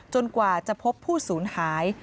กว่าจะพบผู้สูญหาย